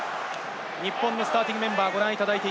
日本のスターティングメンバーです。